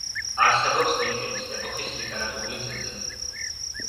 არსებობს ინკების ეპოქის ლიტერატურული ძეგლები.